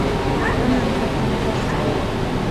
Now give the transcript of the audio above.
Manan kayqa nuqaqchu